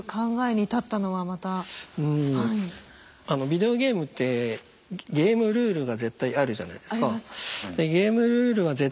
ビデオゲームってゲームルールが絶対あるじゃないですか。あります。